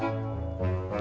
tidak ada apa apa